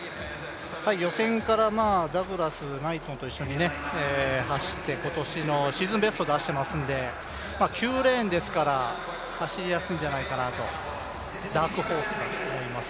予選からダグラス、ナイトンと一緒に走って今年のシーズンベストを出していますので、９レーンですから走りやすいんじゃないかなと、ダークホースだと思います。